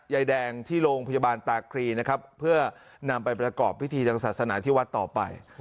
ยายแดงที่โรงพยาบาลตาครีนะครับเพื่อนำไปประกอบพิธีทางศาสนาที่วัดต่อไป